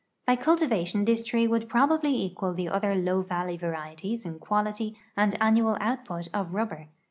B}^ cultivation this tree would probalily equal the other low valley varieties in quality and annual out put of rubber.